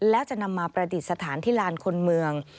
แล้วจะนำมาประดิษฐานที่ลานคนเมือง